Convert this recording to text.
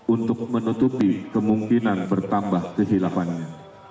untuk menutupi kemungkinan bertambah kehilafannya